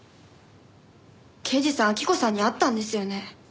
刑事さん晃子さんに会ったんですよね？